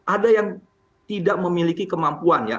ada yang tidak memiliki kemampuan ya